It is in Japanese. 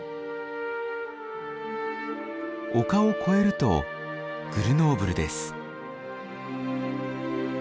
丘を越えるとグルノーブルです。